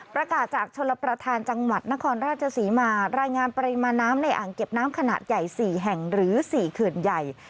ประกาศจากชลประธานจังหวัดนครราชศรีมารายงานปริมาณน้ำในอ่างเก็บน้ำขนาดใหญ่๔แห่งหรือ๔เขื่อนใหญ่